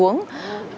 cái người nằm xuống